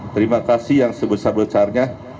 terima kasih yang sebesar besarnya